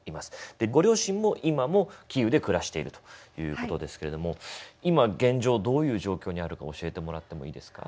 ご両親も今もキーウで暮らしているということですけれども今現状どういう状況にあるか教えてもらってもいいですか？